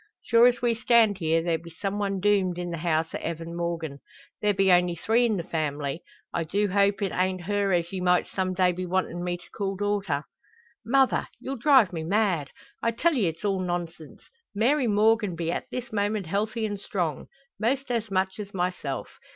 Sure as we stand here there be some one doomed in the house o' Evan Morgan. There be only three in the family. I do hope it an't her as ye might some day be wantin' me to call daughter." "Mother! You'll drive me mad! I tell ye it's all nonsense. Mary Morgan be at this moment healthy and strong most as much as myself.